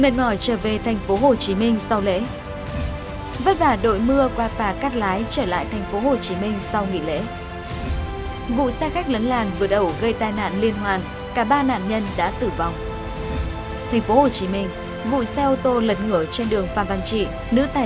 các bạn hãy đăng ký kênh để ủng hộ kênh của chúng mình nhé